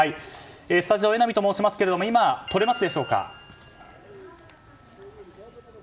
スタジオ、榎並と申しますが今、取れますでしょうか。